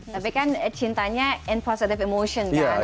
tapi kan cintanya in positive emotion kan